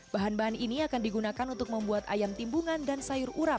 bahan bahan ini akan digunakan untuk membuat ayam timbungan dan sayur urap